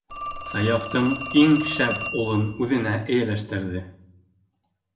Саяфтың иң шәп улын үҙенә эйәләштерҙе.